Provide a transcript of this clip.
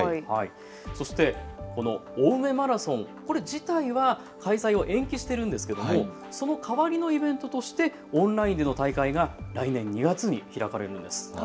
そしてこの青梅マラソン、これ自体は開催を延期しているんですがその代わりのイベントとしてオンラインでの大会が来年２月に開かれるんです。